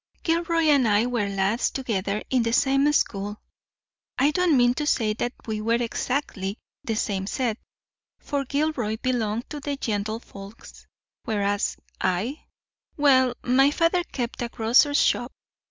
"Gilroy and I were lads together in the same school. I don't mean to say that we were exactly in the same set, for Gilroy belonged to gentlefolks, whereas I—well, my father kept a grocer's shop.